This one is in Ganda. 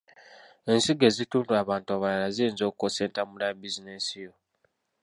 Ensigo ezitundibwa abantu abalala ziyinza okukosa entambula ya bizinensi yo.